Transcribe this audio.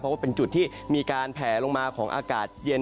เพราะว่าเป็นจุดที่มีการแผลลงมาของอากาศเย็น